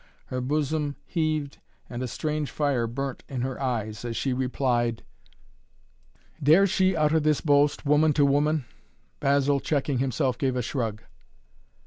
Her bosom heaved and a strange fire burnt in her eyes as she replied: "Dares she utter this boast, woman to woman?" Basil, checking himself, gave a shrug.